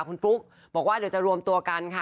คุณฟลุ๊กบอกว่าเดี๋ยวจะรวมตัวกันค่ะ